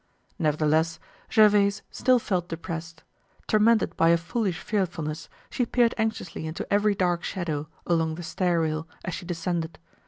Nevertheless, Gervaise still felt depressed. Tormented by a foolish fearfulness, she peered anxiously into every dark shadow along the stair rail as she descended.